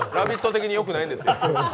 的によくないんですよ。